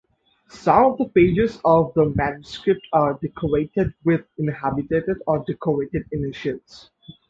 Some of the pages of the manuscript are decorated with inhabited or decorated initials.